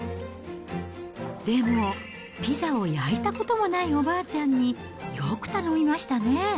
でも、ピザを焼いたこともないおばあちゃんに、よく頼みましたね。